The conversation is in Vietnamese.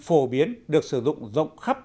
phổ biến được sử dụng rộng khắp